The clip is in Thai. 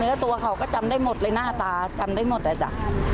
ตัวเขาก็จำได้หมดเลยหน้าตาจำได้หมดอ่ะจ้ะ